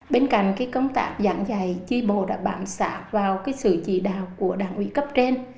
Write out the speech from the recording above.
bên cạnh công tác giảng dạy tri bộ đã bám sát vào sự chỉ đạo của đảng ủy cấp trên